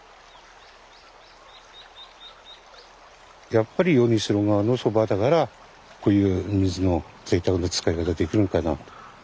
やっぱり米代川のそばだからこういう水のぜいたくな使い方ができるんかなと。